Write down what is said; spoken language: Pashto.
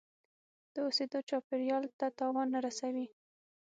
د اوسیدو چاپیریال ته تاوان نه رسوي.